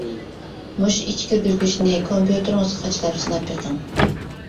مۇشۇ ئىككى كىرگۈزگۈچنى كومپيۇتېرىڭىزغا قاچىلاپ سىناپ بېقىڭ.